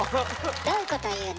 どういうことを言うの？